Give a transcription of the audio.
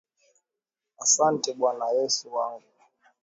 Asante Bwana Yesu wangu.